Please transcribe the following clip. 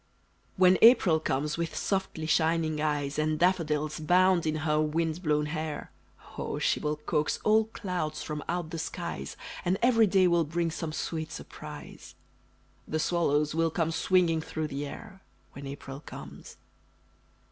When April comes with softly shining eyes, And daffodils bound in her wind blown hair, Oh, she will coax all clouds from out the skies, And every day will bring some sweet surprise, The swallows will come swinging through the air When April comes!